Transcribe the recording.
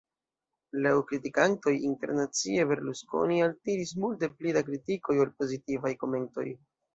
Laŭ kritikantoj, internacie, Berlusconi altiris multe pli da kritikoj ol pozitivaj komentoj.